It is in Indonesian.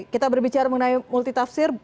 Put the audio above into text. kita berbicara mengenai multitafsir